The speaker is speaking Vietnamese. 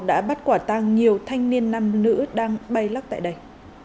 đã bắt quả tang nhiều thanh niên nam nữ đang bay lắc tại đây